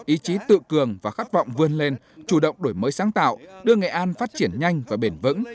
ý chí tự cường và khát vọng vươn lên chủ động đổi mới sáng tạo đưa nghệ an phát triển nhanh và bền vững